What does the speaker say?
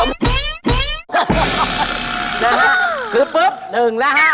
นะฮะคือปึ๊บ๑และ๕